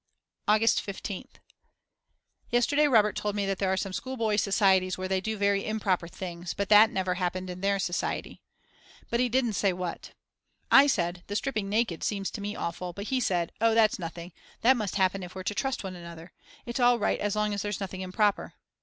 August 15th. Yesterday Robert told me that there are some schoolboy societies where they do very improper things, but that never happened in their society. But he didn't say what. I said, the stripping naked seems to me awful; but he said, Oh, that's nothing, that must happen if we're to trust one another, it's all right as long as there's nothing improper.